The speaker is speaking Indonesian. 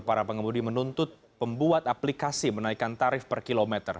para pengemudi menuntut pembuat aplikasi menaikkan tarif per kilometer